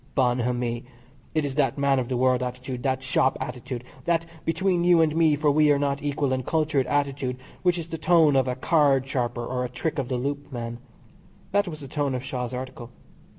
Bonhomie! It is that man of the world attitude, that shop attitude, that between you and me for are we not equal and cultured attitude, which is the tone of a card sharper or a trick of the loop man. That was the tone of Shaw's article.